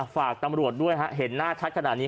ฝากตำรวจด้วยฮะเห็นหน้าชัดขนาดนี้